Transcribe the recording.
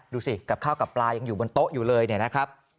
ดูสิกับข้าวกับปลายังอยู่บนโต๊ะอยู่เลยนะครับ